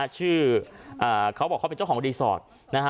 ชื่อเขาบอกเขาเป็นเจ้าของรีสอร์ท